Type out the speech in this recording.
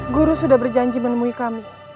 guru sudah berjanji menemui kami